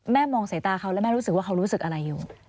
มองสายตาเขาแล้วแม่รู้สึกว่าเขารู้สึกอะไรอยู่